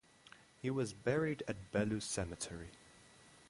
He was buried at Bellu cemetery.